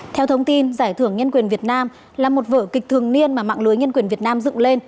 theo thông tin giải thưởng nhân quyền việt nam là một vở kịch thường niên mà mạng lưới nhân quyền việt nam dựng lên